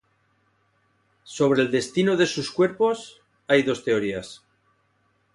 Sobre el destino de sus cuerpos hay dos teorías.